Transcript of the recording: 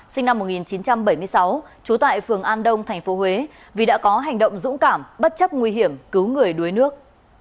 sinh năm một nghìn chín trăm bảy mươi sáu trú tại phường an đông tp huế vì đã có hành động dũng cảm bất chấp nguy hiểm cứu người đuối nước